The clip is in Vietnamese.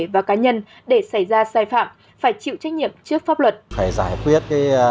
và cá nhân để xảy ra sai phạm phải chịu trách nhiệm trước pháp luật